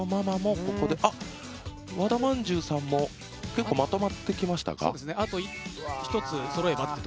和田まんじゅうさんも結構まとまってきましたか。